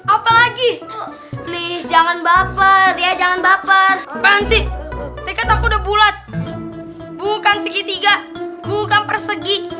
apalagi please jangan baper ya jangan baper panci tiket aku udah bulat bukan segitiga bukan persegi